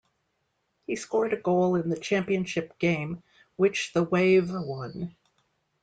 He scored a goal in the championship game, which the Wave won.